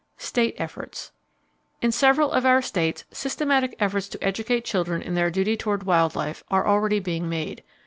State Efforts. —In several of our states, systematic efforts to educate children in their duty toward wild life are already being made.